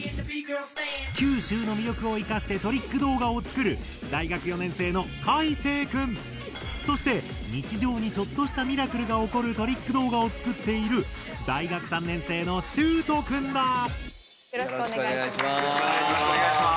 九州の魅力をいかしてトリック動画を作るそして日常にちょっとしたミラクルが起こるトリック動画を作っているよろしくお願いします。